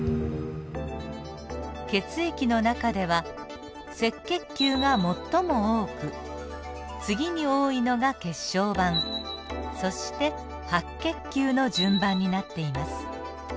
血液の中では赤血球が最も多く次に多いのが血小板そして白血球の順番になっています。